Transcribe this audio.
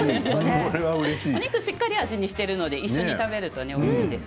お肉しっかり味にしてるので一緒に食べるとおいしいです。